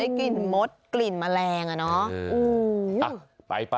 กลิ่นมดกลิ่นแมลงอะเนาะ